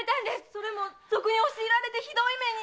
それも賊に押し入られてひどい目に！